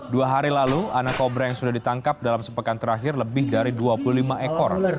dua hari lalu anak kobra yang sudah ditangkap dalam sepekan terakhir lebih dari dua puluh lima ekor